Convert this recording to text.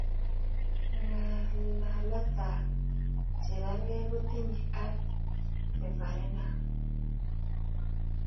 Ngalaletaba Cherargei kotinyekei ak referundum